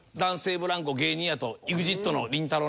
ブランコ芸人やとＥＸＩＴのりんたろー。